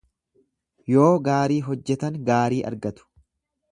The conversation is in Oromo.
Yoo gaarii hojjetan gaarii argatu.